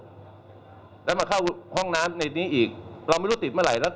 เพราะถือว่าคุณไม่มีความรับผิดชอบต่อสังคม